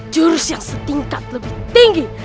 jurus yang setingkat lebih tinggi